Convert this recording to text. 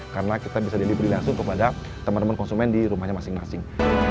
karena kita bisa diberi langsung kepada teman teman konsumen di rumahnya masing masing